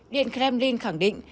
điện kremlin khẳng định